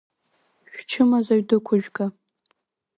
Шәчымазаҩ дықәыжәга!